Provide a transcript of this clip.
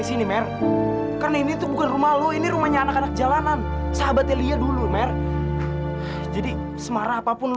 jadi pemilik perusahaannya siapa li